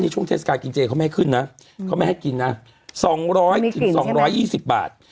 ช่วงเทศกาลกินเจเขาไม่ให้ขึ้นนะเขาไม่ให้กินนะสองร้อยถึงสองร้อยยี่สิบบาท